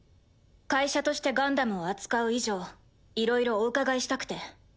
会社としてガンダムを扱う以上いろいろお伺いしたくて。